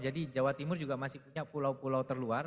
jadi jawa timur juga masih punya pulau pulau terluar